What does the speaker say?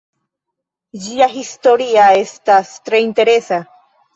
Ĝia historia esta tre interesa.